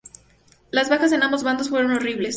Las bajas en ambos bandos fueron horribles.